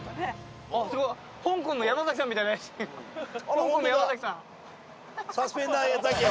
香港の山崎さん。